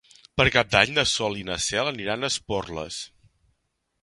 Per Cap d'Any na Sol i na Cel aniran a Esporles.